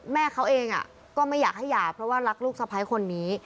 แม่เขาเองก็ไม่อยากให้หย่าเพราะว่ารักลูกสะพ้ายคนนี้